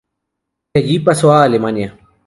De allí pasó a Alemania.